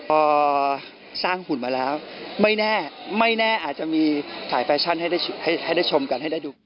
พอสร้างหุ่นมาแล้วไม่แน่ไม่แน่อาจจะมีถ่ายแฟชั่นให้ได้ชมกันให้ได้ดู